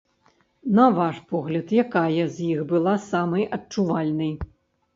На ваш погляд, якая з іх была самай адчувальнай?